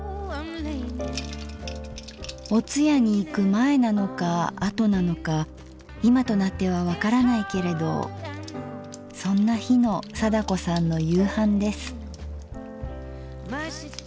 お通夜に行く前なのか後なのか今となっては分からないけれどそんな日の貞子さんの夕飯です。